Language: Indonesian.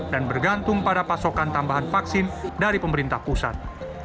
dan bergantung pada pasokan tambahan vaksin dari pemerintah pusat